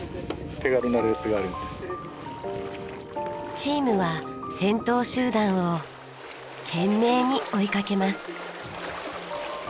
チームは先頭集団を懸命に追いかけます。